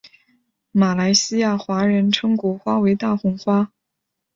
马来西亚华人称国花为大红花。